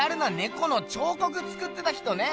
この彫刻つくってた人ね！